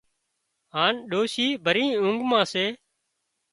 هانَ ڏوشي ڀري اونگھ مان سي